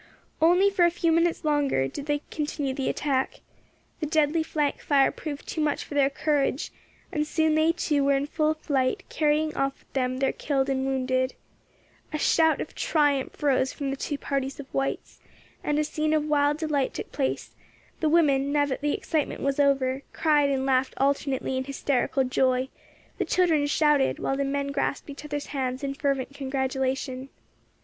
Only for a few minutes longer did they continue the attack. The deadly flank fire proved too much for their courage, and soon they too were in full flight, carrying off with them their killed and wounded. A shout of triumph rose from the two parties of whites, and a scene of wild delight took place; the women, now that the excitement was over, cried and laughed alternately in hysterical joy; the children shouted, while the men grasped each other's hands in fervent congratulation.